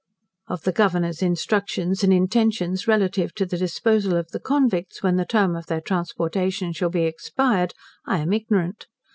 Of the Governor's instructions and intentions relative to the disposal of the convicts, when the term of their transportation shall be expired, I am ignorant.